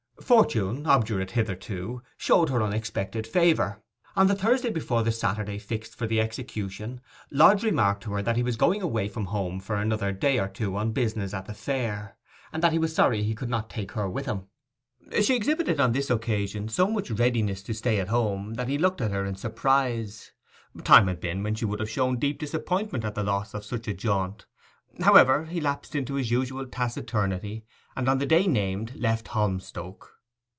Fortune, obdurate hitherto, showed her unexpected favour. On the Thursday before the Saturday fixed for the execution, Lodge remarked to her that he was going away from home for another day or two on business at a fair, and that he was sorry he could not take her with him. She exhibited on this occasion so much readiness to stay at home that he looked at her in surprise. Time had been when she would have shown deep disappointment at the loss of such a jaunt. However, he lapsed into his usual taciturnity, and on the day named left Holmstoke.